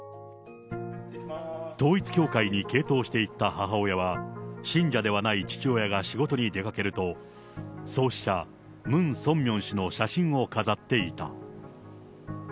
統一教会に傾倒していった母親は、信者ではない父親が仕事に出かけると、創始者、ムン・ソンミョン氏の写真を飾っていた。